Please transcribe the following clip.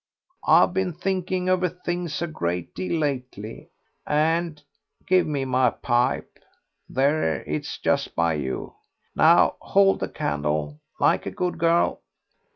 I've been thinking over things a great deal lately, and give me my pipe there, it's just by you. Now, hold the candle, like a good girl."